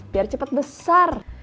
biar cepet besar